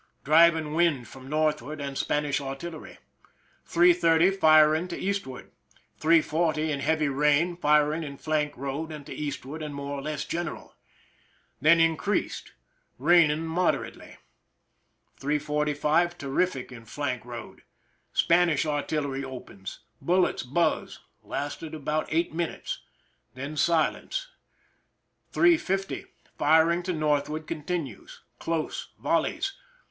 Driving wind from, northward, and Spanish artillery. 3 : 30, firing to eastward. 3 : 40, in heavy rain, firing in flank road and to eastward and more or less general. Then increased. Raining moderately. 3 : 45, terrific in flank road. Span ish artillery opens. Bullets buzz— lasted about 8 minutes. Then silence. 3:50, firing to northward continues. Close— volleys.